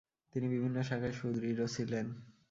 তিনি বিভিন্ন শাখায় সুদৃঢ় ছিলেন।